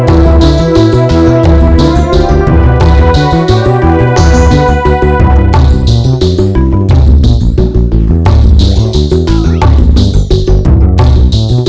apa nih menurut masucionesgilu